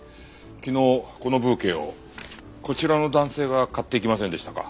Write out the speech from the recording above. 昨日このブーケをこちらの男性が買っていきませんでしたか？